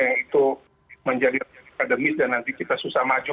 yang itu menjadi akademis dan nanti kita susah maju